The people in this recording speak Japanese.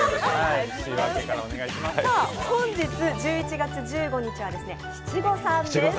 本日、１１月１５日は七五三です。